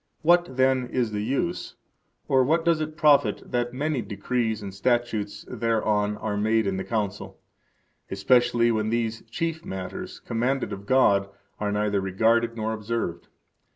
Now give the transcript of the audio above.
What, then, is the use, or what does it profit that many decrees and statutes thereon are made in the Council, especially when these chief matters commanded of God are neither regarded nor observed?